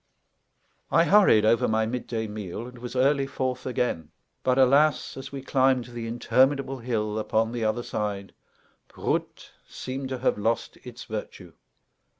I hurried over my midday meal, and was early forth again. But, alas, as we climbed the interminable hill upon the other side, "Proot!" seemed to have lost its virtue.